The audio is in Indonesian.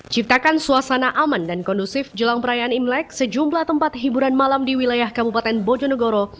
ciptakan suasana aman dan kondusif jelang perayaan imlek sejumlah tempat hiburan malam di wilayah kabupaten bojonegoro